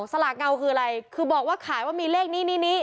สลากเงาคืออะไรคือบอกว่าขายว่ามีเลขนี้นี่